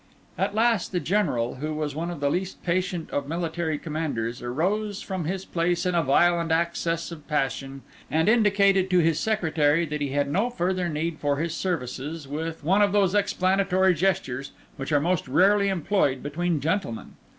At last the General, who was one of the least patient of military commanders, arose from his place in a violent access of passion, and indicated to his secretary that he had no further need for his services, with one of those explanatory gestures which are most rarely employed between gentlemen.